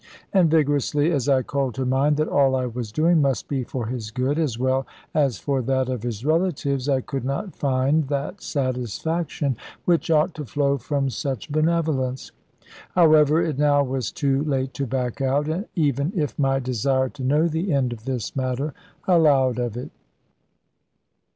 And vigorously as I called to mind that all I was doing must be for his good, as well as for that of his relatives, I could not find that satisfaction which ought to flow from such benevolence. However, it now was too late to back out, even if my desire to know the end of this matter allowed of it.